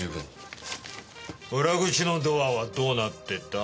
裏口のドアはどうなってた？